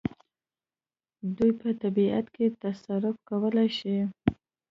دوی په طبیعت کې تصرف کولای شي.